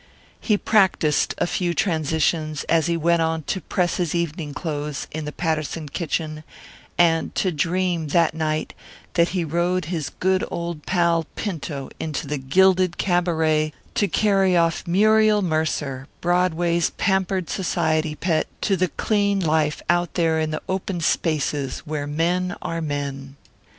He practised a few transitions as he went on to press his evening clothes in the Patterson kitchen, and to dream, that night, that he rode his good old pal, Pinto, into the gilded cabaret to carry off Muriel Mercer, Broadway's pampered society pet, to the clean life out there in the open spaces where men are men.